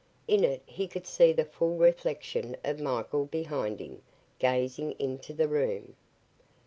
In it he could see the full reflection of Michael behind him, gazing into the room.